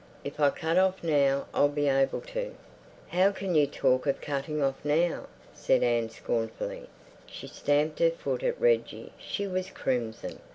If I cut off now, I'll be able to—" "How can you talk of cutting off now?" said Anne scornfully. She stamped her foot at Reggie; she was crimson.